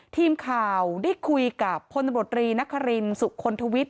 ทีมข่าวได้คุยกับพลตำรวจรีนครินสุคลทวิทย